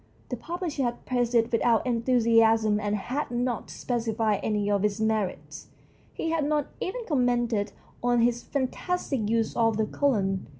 The publisher had praised it without enthusiasm and had not specified any of its merits; he had not even com mented on his fantastic use of the colon.